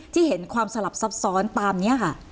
เห็นความสลับซับซ้อนตามนี้ค่ะ